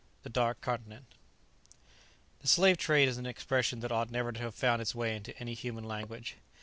THE DARK CONTINENT. The "slave trade" is an expression that ought never to have found its way into any human language.